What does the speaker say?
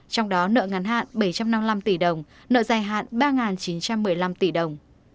trong đó nợ ngắn hạn bảy trăm năm mươi năm tỷ đồng nợ dài hạn ba chín trăm một mươi năm tỷ đồng